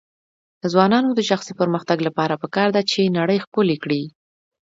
د ځوانانو د شخصي پرمختګ لپاره پکار ده چې نړۍ ښکلی کړي.